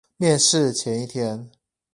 面試前一天